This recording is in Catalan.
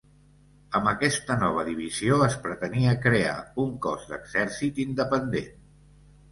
Amb aquesta nova divisió es pretenia crear un cos d'exèrcit independent.